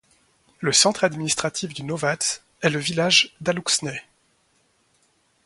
Le centre administratif du novads est le village d'Alūksne.